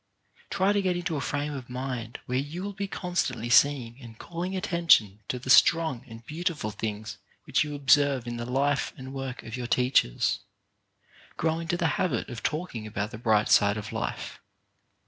Try to get into a frame of mind where you will be constantly seeing and calling attention to the strong and beautiful 8 CHARACTER BUILDING things which yott observe in the life and work of your teachers. Grow into the habit of talking about the bright side of life.